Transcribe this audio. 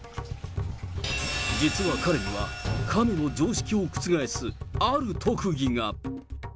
実は彼には、カメの常識を覆すある特技が。